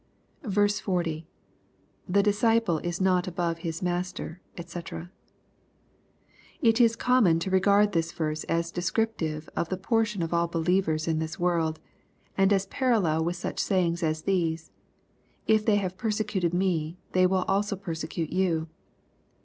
10. — [The disciple m not above his mastery Sc.] It is common to regard this verse as descriptive of the portion of all believers in this world, and as parallel with such sayings as these, " If they have persecuted me they will also persecute you.'